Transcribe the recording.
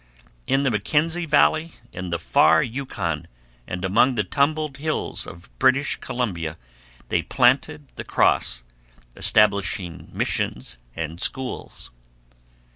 In the Mackenzie valley, in the far Yukon, and among the tumbled hills of British Columbia they planted the Cross, establishing missions and schools.